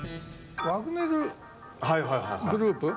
ワグネルグループ。